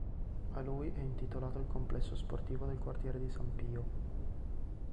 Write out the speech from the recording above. A lui è intitolato il complesso sportivo del quartiere di San Pio.